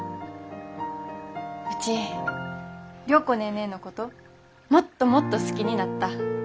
うち良子ネーネーのこともっともっと好きになった。